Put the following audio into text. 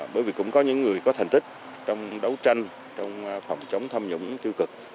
bởi vì cũng có những người có thành tích trong đấu tranh trong phòng chống tham nhũng tiêu cực